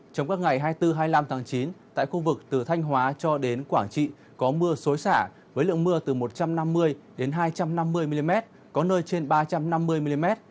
trong các ngày hai mươi bốn hai mươi năm tháng chín tại khu vực từ thanh hóa cho đến quảng trị có mưa xối xả với lượng mưa từ một trăm năm mươi đến hai trăm năm mươi mm có nơi trên ba trăm năm mươi mm